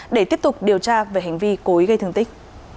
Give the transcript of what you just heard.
để tiếp tục điều tra về hành vi cối gây thương tích